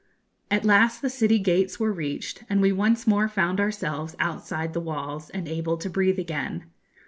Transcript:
At last the city gates were reached, and we once more found ourselves outside the walls, and able to breathe again.